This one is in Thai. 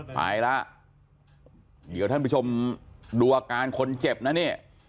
ไปแล้วเดี๋ยวท่านผู้ชมดูอาการคนเจ็บนะนี่